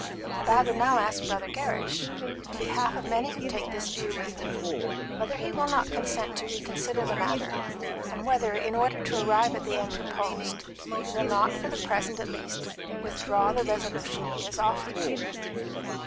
And I would now ask Brother Gerrish, in behalf of many who take this view with me, whether he will not consent to reconsider the matter, and whether, in order to arrive at the end proposed, he will not, for the present at least, withdraw the resolution he has offered?"